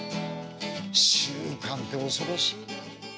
習慣って恐ろしいね。